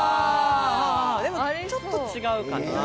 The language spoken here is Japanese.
ちょっと違うかな。